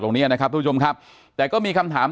อ๋อเจ้าสีสุข่าวของสิ้นพอได้ด้วย